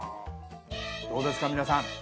どうですか皆さん。